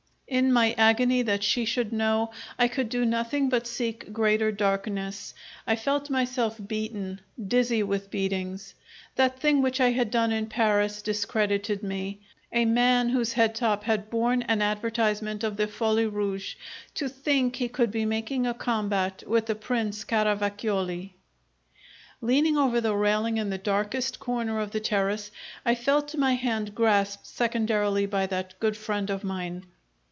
In my agony that she should know, I could do nothing but seek greater darkness. I felt myself beaten, dizzy with beatings. That thing which I had done in Paris discredited me. A man whose head top had borne an advertisement of the Folie Rouge to think he could be making a combat with the Prince Caravacioli! Leaning over the railing in the darkest corner of the terrace, I felt my hand grasped secondarily by that good friend of mine.